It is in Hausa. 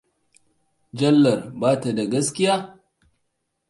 Jalal bata da gaskiya?